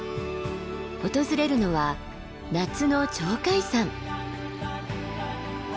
訪れるのは夏の鳥海山。